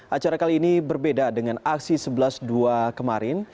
acara kali ini berbeda dengan aksi sebelas dua kemarin